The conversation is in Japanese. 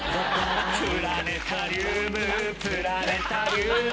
プラネタリウムプラネタリウム